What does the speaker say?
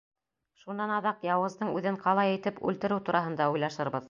Шунан аҙаҡ яуыздың үҙен ҡалай итеп үлтереү тураһында уйлашырбыҙ.